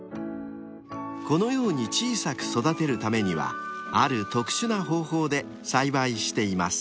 ［このように小さく育てるためにはある特殊な方法で栽培しています］